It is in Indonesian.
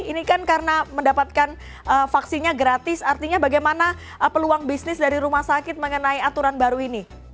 ini kan karena mendapatkan vaksinnya gratis artinya bagaimana peluang bisnis dari rumah sakit mengenai aturan baru ini